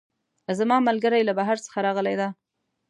زما ملګرۍ له بهر څخه راغلی ده